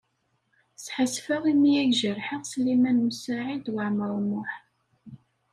Sḥassfeɣ imi ay jerḥeɣ Sliman U Saɛid Waɛmaṛ U Muḥ.